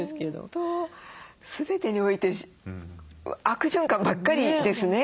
本当全てにおいて悪循環ばっかりですね。